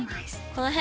この辺！